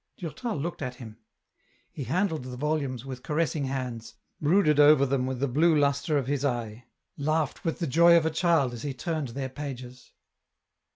Durtal loeked at him ; he handled the volumes with caressing hands, brooded over them with the blue lustre of his eye, laughed with the joy of a child as he turned their pages.